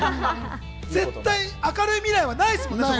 絶対、明るい未来はないですもんね。